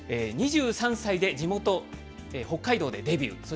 ２３歳で地元、北海道でデビュー。